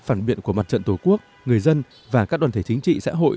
phản biện của mặt trận tổ quốc người dân và các đoàn thể chính trị xã hội